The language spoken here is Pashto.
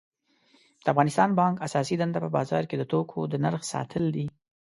د افغانستان بانک اساسی دنده په بازار کی د توکو د نرخ ساتل دي